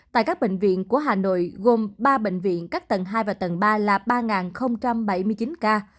tại các bệnh viện của hà nội gồm ba bệnh viện các tầng hai và tầng ba là ba bảy mươi chín ca